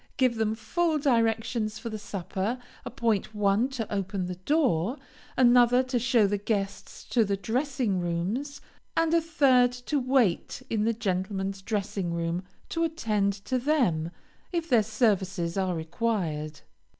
Give them full directions for the supper, appoint one to open the door, another to show the guests to the dressing rooms, and a third to wait in the gentlemen's dressing room, to attend to them, if their services are required.